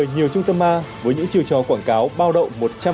nhiều trung tâm ma với những chiều trò quảng cáo bao đậu một trăm linh